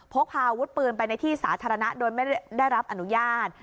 พกพาอาวุธปืนไปในที่สาธารณะโดยไม่ได้รับอนุญาต